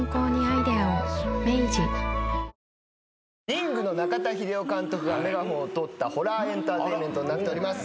『リング』の中田秀夫監督がメガホンをとったホラーエンターテインメントになっております。